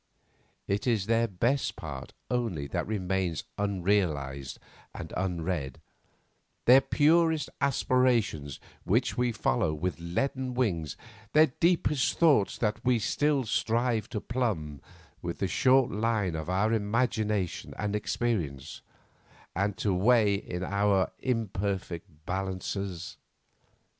It is their best part only that remains unrealised and unread, their purest aspirations which we follow with leaden wings, their deepest thoughts that we still strive to plumb with the short line of our imagination or experience, and to weigh in our imperfect balances.